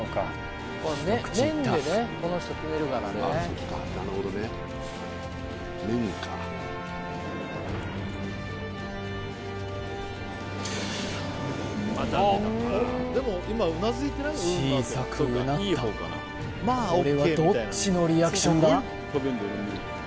一口いった小さくうなったこれはどっちのリアクションだ？